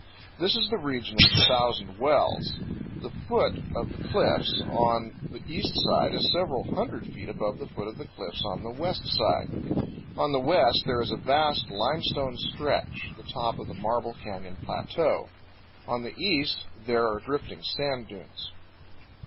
This is the region of the Thousand Wells. The foot of the cliffs on the east side is several hundred feet above the foot of the cliffs on the west side. On the west there is a vast limestone stretch, the top of the Marble Canyon Plateau; on the east there are drifting sand dunes.